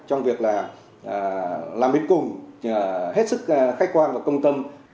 trong việc là làm đến cùng hết sức khách quan và công tâm